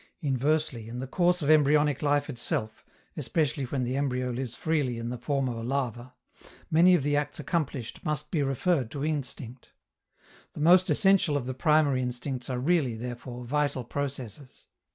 Inversely, in the course of embryonic life itself (especially when the embryo lives freely in the form of a larva), many of the acts accomplished must be referred to instinct. The most essential of the primary instincts are really, therefore, vital processes.